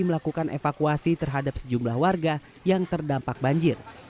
melakukan evakuasi terhadap sejumlah warga yang terdampak banjir